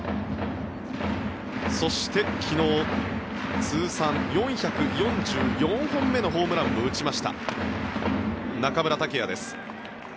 そして、昨日通算４４４本目のホームランを打ちました中村剛也です。